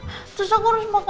terus aku harus makan yang lain